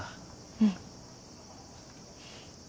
うん。